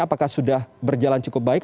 apakah sudah berjalan cukup baik